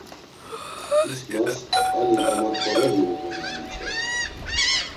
İsmas ali gamaǩoreri uğun ya mitzves.